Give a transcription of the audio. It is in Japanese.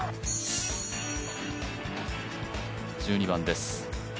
１２番です。